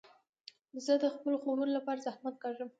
زه د خپلو خوبو له پاره زحمت کاږم.